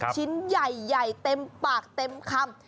ชิ้นใหญ่เต็มปากเต็มคำ